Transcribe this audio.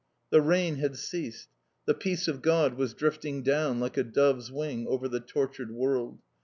The rain had ceased. The peace of God was drifting down like a dove's wing over the tortured world.